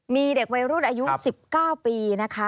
มีเด็กวัยรุ่นอายุ๑๙ปีนะคะ